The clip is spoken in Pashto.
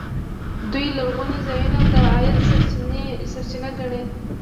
دوی لرغوني ځایونه د عاید سرچینه ګڼي.